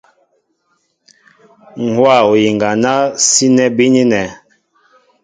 Ǹ hówa oyiŋga ná sínɛ́ bínínɛ̄.